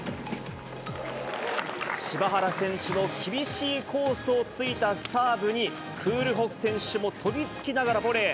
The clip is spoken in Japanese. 柴原選手の厳しいコースを突いたサーブに、クールホフ選手も飛びつきながらボレー。